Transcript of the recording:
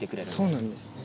そうなんですね。